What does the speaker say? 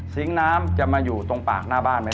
สิงค์น้ำจะมาอยู่ตรงปากหน้าบ้านไม่ได้